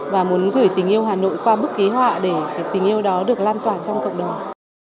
và muốn gửi tình yêu hà nội qua bức ký họa để tình yêu đó được lan tỏa trong cộng đồng